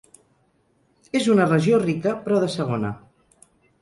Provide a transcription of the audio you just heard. És una regió rica, però de segona.